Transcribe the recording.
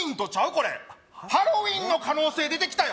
これハロウイーンの可能性出てきたよ